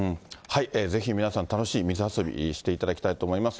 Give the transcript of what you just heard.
ぜひ皆さん、楽しい水遊びしていただきたいと思います。